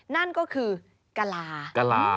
นั่นก็คือกระลา